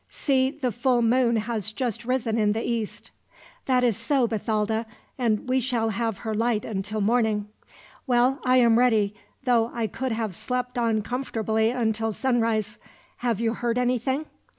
See, the full moon has just risen in the east." "That is so, Bathalda; and we shall have her light till morning. Well, I am ready, though I could have slept on comfortably until sunrise. Have you heard anything?"